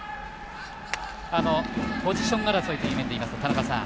ポジション争いというところで田中さん